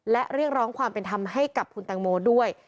และเรียกร้องความเป็นธรรมให้กับคุณแตงโมด้วย